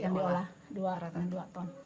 yang diolah dua ton